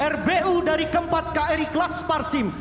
rbu dari keempat kri kelas parsim